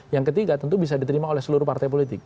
yang ketiga tentu bisa diterima oleh seluruh partai politik